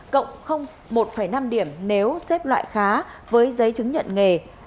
cộng một năm điểm nếu xếp loại khá với giấy chứng nhận nghề